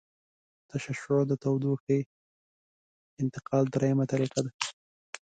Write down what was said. تشعشع د تودوخې انتقال دریمه طریقه ده.